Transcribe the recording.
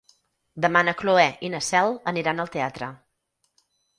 Demà na Cloè i na Cel aniran al teatre.